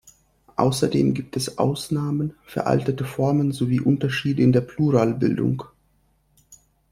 Außerdem gibt es Ausnahmen, veraltete Formen sowie Unterschiede in der Pluralbildung.